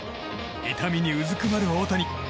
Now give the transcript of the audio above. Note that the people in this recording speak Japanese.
痛みにうずくまる大谷。